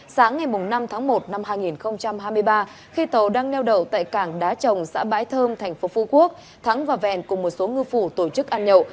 sáng ngày năm tháng một năm hai nghìn hai mươi ba khi tàu đang neo đậu tại cảng đá trồng xã bãi thơm thành phố phú quốc thắng và vẹn cùng một số ngư phủ tổ chức ăn nhậu